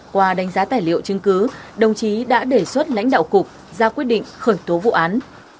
qua đánh giá tài liệu chứng cứ đồng chí đã đề xuất lãnh đạo cục ra quyết định khởi tố vụ án